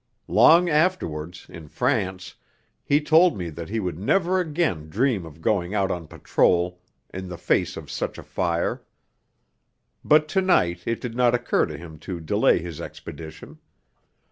Long afterwards, in France, he told me that he would never again dream of going out on patrol in the face of such a fire. But to night it did not occur to him to delay his expedition.